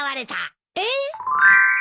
えっ？